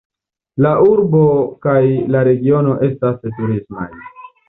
La urbo kaj la regiono estas turismaj.